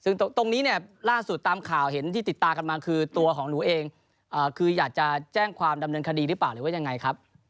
ซึ่งตรงนี้เนี่ยล่าสุดตามข่าวเห็นที่ติดตามกันมาคือตัวของหนูเองคืออยากจะแจ้งความดำเนินคดีหรือเปล่าหรือว่ายังไงครับ